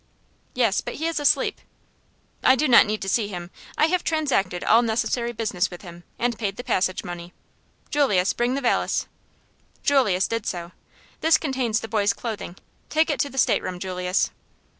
"Yes; but he is asleep." "I do not need to see him. I have transacted all necessary business with him and paid the passage money. Julius, bring the valise." Julius did so. "This contains the boy's clothing. Take it to the stateroom, Julius."